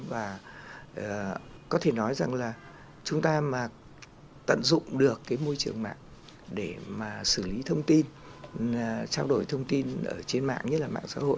và có thể nói rằng là chúng ta mà tận dụng được cái môi trường mạng để mà xử lý thông tin trao đổi thông tin ở trên mạng nhất là mạng xã hội